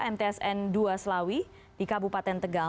mtsn dua selawi di kabupaten tegal